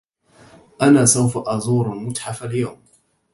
أنا سوف ازور المتحف اليوم.